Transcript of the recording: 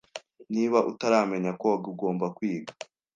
Niba utaramenya koga, ugomba kwiga.